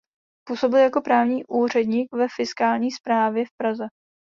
Působil jako právní úředník ve fiskální správě v Praze.